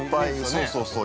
◆そうそうそう。